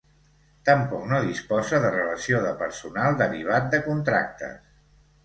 Tampoc no disposa de relació de personal derivat de contractes.